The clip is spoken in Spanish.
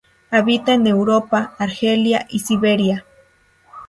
Habita en Europa, Argelia y Siberia.